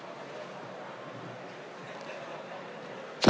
สวัสดีครับ